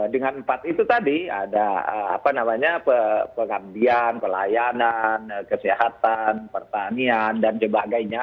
dengan empat itu tadi ada apa namanya pengambian pelayanan kesehatan pertanian dan sebagainya